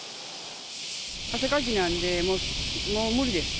汗かきなんで、もう無理です。